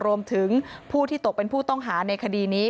รวมถึงผู้ที่ตกเป็นผู้ต้องหาในคดีนี้